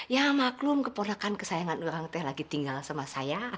ya maklum keponakan kesayangan orang teh lagi tinggal sama saya